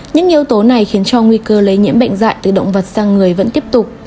những yếu tố này khiến cho nguy cơ lây nhiễm bệnh dạy từ động vật sang người vẫn tiếp tục